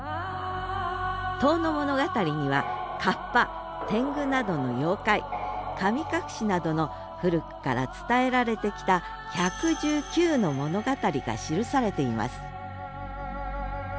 「遠野物語」には河童天狗などの妖怪神隠しなどの古くから伝えられてきた１１９の物語が記されています